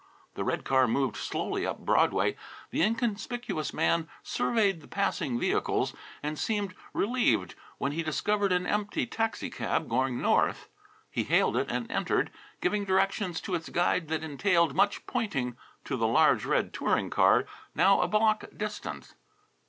The red car moved slowly up Broadway. The inconspicuous man surveyed the passing vehicles, and seemed relieved when he discovered an empty taxi cab going north. He hailed it and entered, giving directions to its guide that entailed much pointing to the large red touring car now a block distant.